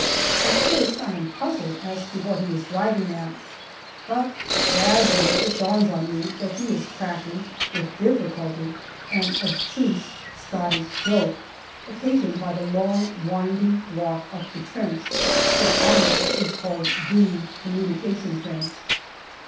At first I am puzzled as to what he is driving at, but gradually it dawns on me that he is cracking with difficulty an obtuse Scottish joke, occasioned by the long winding walk up the trench, which I notice is called " B " Communication Trench.